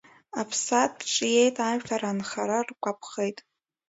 Аԥсаатә ҿиеит, ажәлар анхара ргәаԥхеит.